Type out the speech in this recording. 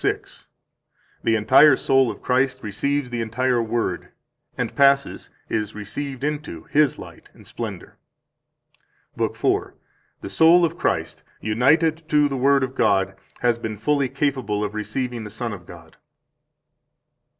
Basil): "The entire soul of Christ receives the entire Word, and passes [is received] into His light and splendor." 169 Lib. 4: "The soul of Christ, united to the Word of God, has been fully capable of receiving the Son of God."